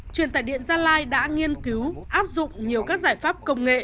truyền tải điện gia lai đã nghiên cứu áp dụng nhiều các giải pháp công nghệ